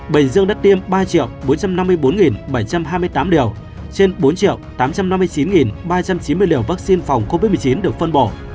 bình dương đã tiêm ba bốn trăm năm mươi bốn bảy trăm hai mươi tám điều trên bốn tám trăm năm mươi chín ba trăm chín mươi liều vaccine phòng covid một mươi chín được phân bổ